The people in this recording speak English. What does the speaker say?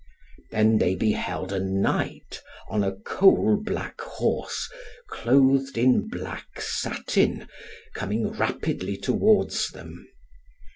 Then they beheld a Knight, on a coal black horse, clothed in black satin, coming rapidly towards them.